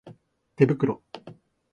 手袋